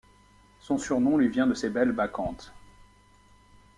Son surnom lui vient de ses belles bacchantes.